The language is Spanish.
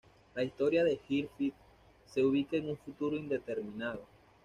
La historia de "Girl Fight" se ubica en un futuro indeterminado.